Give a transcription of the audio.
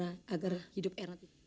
bagaimana cara agar hidup erna